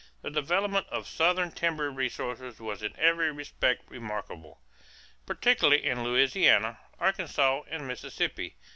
The development of Southern timber resources was in every respect remarkable, particularly in Louisiana, Arkansas, and Mississippi.